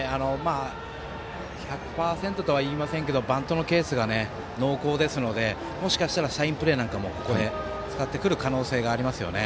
１００％とはいいませんけどバントのケースが濃厚ですのでもしかしたらサインプレーなんかもここで使ってくる可能性がありますよね。